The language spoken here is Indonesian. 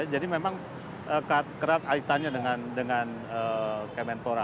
jadi memang keras aitanya dengan kemenpora